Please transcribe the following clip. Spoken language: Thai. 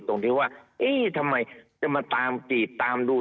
ตรงที่ว่าทำไมจะมาตามตีดตามดู